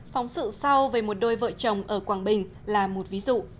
phóng sự sau về một đôi vợ chồng ở quảng bình là một ví dụ